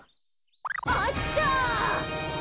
あった！